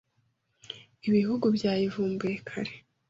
Ibihugu byayivumbuye kare,